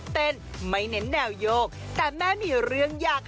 พอมั้ย